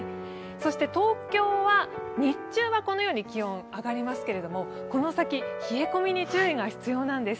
そして東京は日中はこのように気温、上がりますけれどもこの先、冷え込みに注意が必要なんです。